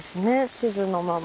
地図のまま。